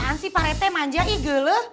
apaan sih pak retek manjai gelo